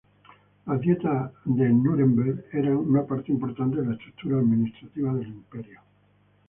Las Dietas de Núremberg eran una parte importante de la estructura administrativa del imperio.